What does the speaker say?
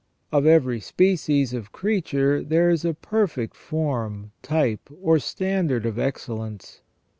Of every species of creature there is a perfect form, type, or standard of excellence.